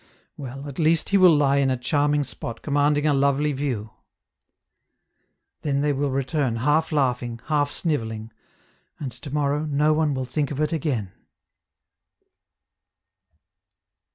Well, at least he will lie in a charming spot commanding a lovely view. Then they will return half laughing, half snivelling, and tomorrow no one will think of it again.